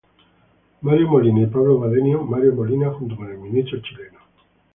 Mario Molina y Pablo Badenio.Mario Molina junto con el ministro chileno.